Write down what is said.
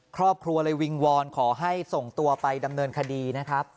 ครอบครัวเลยวิงวอนขอให้ส่งตัวไปดำเนินคดีนะครับ